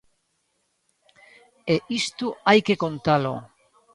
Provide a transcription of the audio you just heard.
E isto hai que contalo.